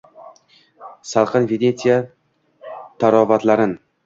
Salqin Venetsiya tarovatlarin